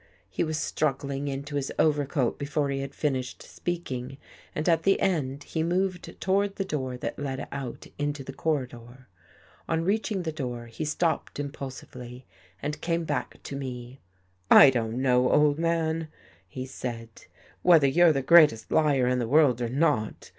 He was struggling into his overcoat before he had finished speaking, and at the end he moved toward the door that led out into the corridor. On reach ing the door, he stopped impulsively and came back to me. I don't know, old man," he said, " whether you're the greatest liar in the world or not.